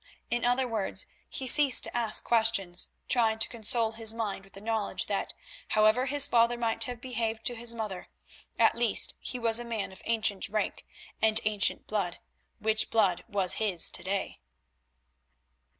In other words he ceased to ask questions, trying to console his mind with the knowledge that, however his father might have behaved to his mother, at least he was a man of ancient rank and ancient blood, which blood was his to day.